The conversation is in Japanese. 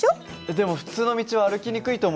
でも普通の道は歩きにくいと思うよ。